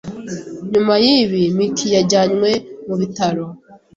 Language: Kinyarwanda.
Nyuma yibi, Miki yajyanywe mu bitaro.